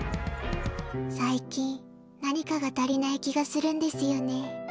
最近、何かが足りない気がするんですよね。